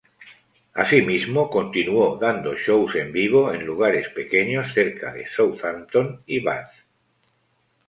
Asimismo, continuó dando shows en vivo en lugares pequeños cerca de Southampton y Bath.